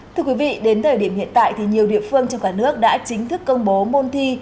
thưa quý vị đến thời điểm hiện tại thì nhiều địa phương trong cả nước đã chính thức công bố môn thi